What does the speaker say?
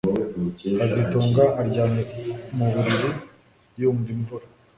kazitunga aryamye mu buriri yumva imvura